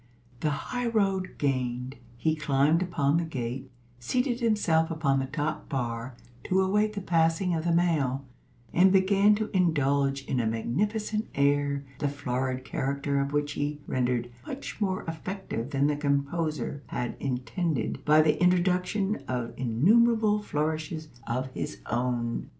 The high road gained, he climbed upon the gate, seated himself upon the top bar to await the passing of the mail, and began to indulge in a magnificent air, the florid character of which he rendered much more effective than the composer had intended by the introduction of innumerable flourishes of his own.